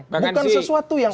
bukan sesuatu yang